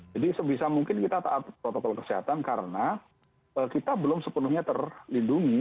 jadi sebisa mungkin kita tak protokol kesehatan karena kita belum sepenuhnya terlindungi